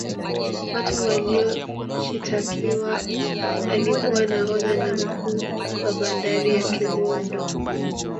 watu Waliyoshitakiwa alikuwa nahodha na mkuu wa bandari ya kemondo